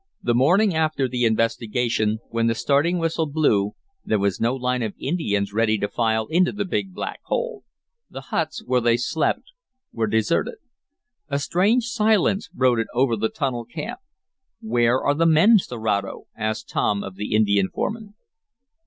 The morning after the investigation, when the starting whistle blew there was no line of Indians ready to file into the big, black hole. The huts where they slept were deserted. A strange silence brooded over the tunnel camp. "Where are the men, Serato?" asked Tom of the Indian foreman.